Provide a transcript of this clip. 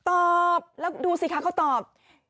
ตอบแล้วดูสิคะเขาตอบ